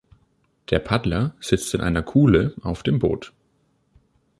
Der Paddler sitzt in einer Kuhle auf dem Boot.